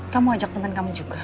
kamu ajak temen kamu juga